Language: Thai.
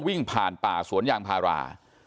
วิ่งผ่านป่าสวนยางพารา